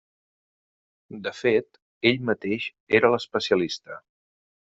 De fet, ell mateix era l'especialista.